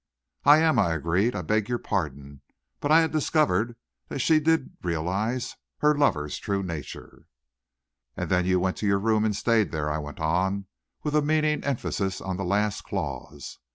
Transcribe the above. "I am," I agreed. "I beg your pardon." But I had discovered that she did realize her lover's true nature. "And then you went to your room, and stayed there?" I went on, with a meaning emphasis on the last clause.